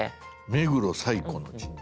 「目黒最古の神社」。